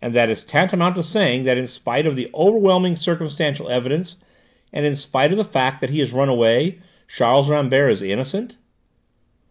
"And that is tantamount to saying that in spite of the overwhelming circumstantial evidence, and in spite of the fact that he has run away, Charles Rambert is innocent?"